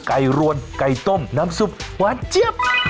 รวนไก่ต้มน้ำซุปหวานเจี๊ยบ